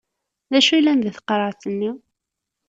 D acu yellan deg tqerεet-nni?